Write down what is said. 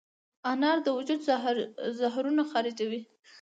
انار د وجود زهرونه خارجوي.